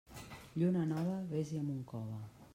Lluna nova, vés-hi amb un cove.